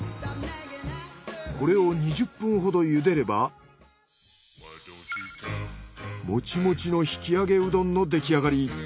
これを２０分ほどゆでればモチモチの引き上げうどんの出来上がり。